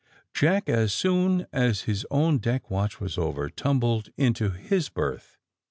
Jack, as soon as his own deck watch was over, tumbled into his berth.